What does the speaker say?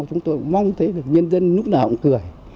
chúng tôi mong thấy được nhân dân lúc nào cười